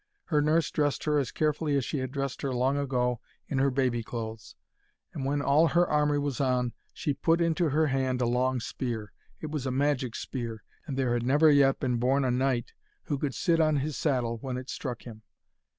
Her nurse dressed her as carefully as she had dressed her long ago in her baby clothes, and, when all her armour was on, she put into her hand a long spear. It was a magic spear, and there had never yet been born a knight who could sit on his saddle when it struck him.